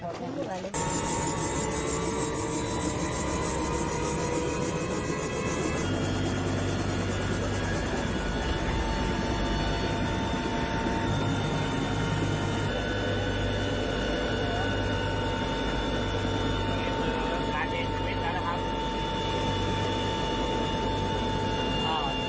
อ๋อทางคุณหมอก็ต้องคอยปั๊มของในเย็นไว้ด้วยนะครับ